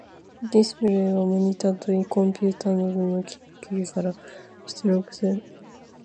ディスプレイはモニタともいい、コンピュータなどの機器から出力される静止画、または動画の映像信号を表示する機器である。